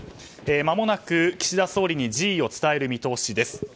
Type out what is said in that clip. まもなく岸田総理に辞意を伝える見通しです。